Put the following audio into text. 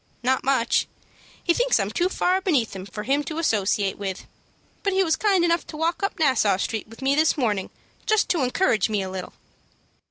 "Not much. He thinks I'm too far beneath him for him to associate with, but he was kind enough to walk up Nassau Street with me this morning, just to encourage me a little."